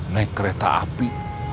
naik kereta api